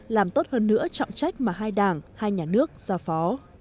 làm tốt hơn nữa trọng trách mà hai đảng hai nhà nước giao phó